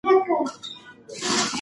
انا غوښتل چې له ماشوم څخه لرې شي.